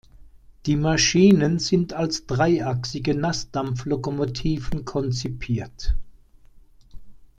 Die Maschinen sind als dreiachsige Nassdampflokomotiven konzipiert.